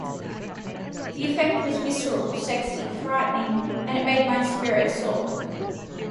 The effect was visceral, sexy, frightening, and it made my spirit soar.